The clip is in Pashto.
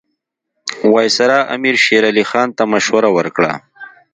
وایسرا امیر شېر علي خان ته مشوره ورکړه.